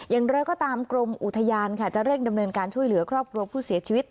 อย่างไรก็ตามกรมอุทยานค่ะจะเร่งดำเนินการช่วยเหลือครอบครัวผู้เสียชีวิต